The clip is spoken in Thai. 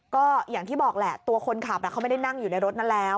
ก็อย่างที่บอกแหละตัวคนขับเขาไม่ได้นั่งอยู่ในรถนั้นแล้ว